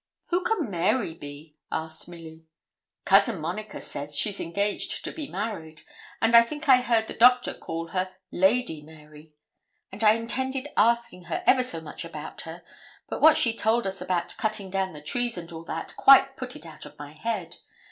'Who can Mary be?' asked Milly. 'Cousin Monica says she's engaged to be married, and I think I heard the Doctor call her Lady Mary, and I intended asking her ever so much about her; but what she told us about cutting down the trees, and all that, quite put it out of my head.